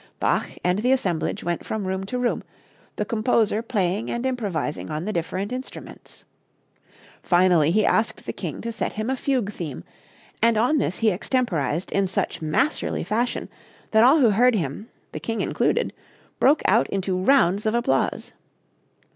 Bach and the assemblage went from room to room, the composer playing and improvising on the different instruments. Finally he asked the king to set him a fugue theme, and on this he extemporized in such masterly fashion that all who heard him, the king included, broke out into rounds of applause.